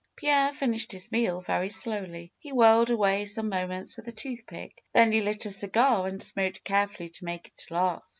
Pierre finished his meal very slowly. He whirled away some moments with a toothpick. Then he lit a cigar and smoked carefully to make it last.